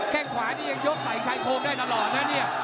แก้งขวานี้ยังยกสายใส่โครมได้ตลอดนะเนี่ย